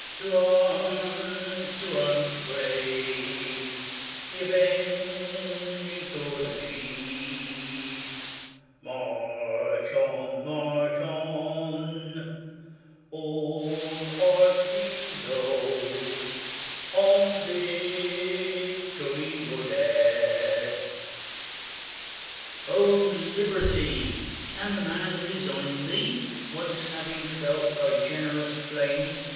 To arms ! to arms ! ye brave ! The avenging sword unsheathe; March on ! march on ! all hearts resolved On victory or death. O Liberty ! can man resign thee, Once having felt thy generous flame?